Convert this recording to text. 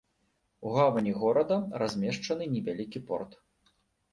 У гавані горада размешчаны невялікі порт.